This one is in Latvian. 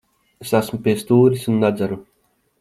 Es esmu pie stūres un nedzeru.